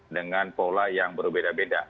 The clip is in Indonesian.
dengan pola yang berbeda beda